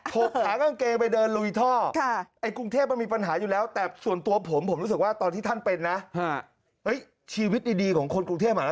หกหางอางเกงนำอดระวีท่อด้วยนะ